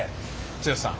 剛さん。